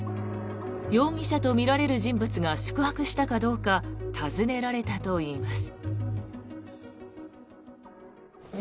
容疑者とみられる人物が宿泊したかどうか尋ねられたといいます。